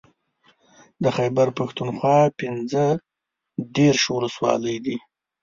د خېبر پښتونخوا پنځه دېرش ولسوالۍ دي